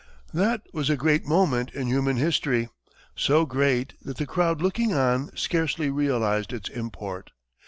That was a great moment in human history, so great that the crowd looking on scarcely realized its import.